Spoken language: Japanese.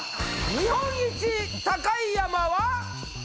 日本一高い山は？